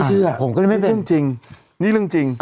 เรื่องจริงนจริงนี่เรื่องจริง